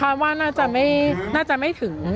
อย่างที่บอกไปว่าเรายังยึดในเรื่องของข้อ